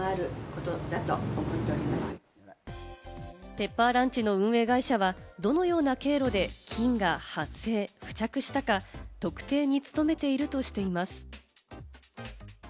ペッパーランチの運営会社はどのような経路で菌が発生・付着したか特定に努めているとしています。